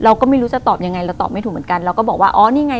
เราก็ไม่รู้จะตอบยังไงเราตอบไม่ถูกเหมือนกันเราก็บอกว่าอ๋อนี่ไง